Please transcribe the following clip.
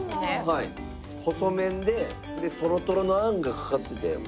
細麺でトロトロのあんがかかってて。